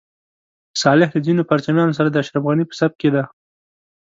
صالح له ځینو پرچمیانو سره د اشرف غني په صف کې دی.